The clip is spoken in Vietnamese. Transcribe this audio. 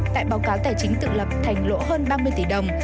tại báo cáo tài chính tự lập thành lỗ hơn ba mươi tỷ đồng